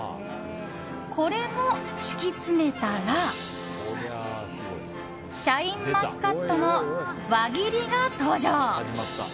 これも敷き詰めたらシャインマスカットの輪切りが登場。